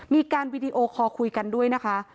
มีการวีดีโอคอลคุยกันด้วยนะคะ